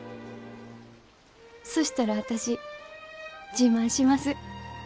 そしたら私自慢します。